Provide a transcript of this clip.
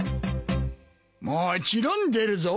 もちろん出るぞ。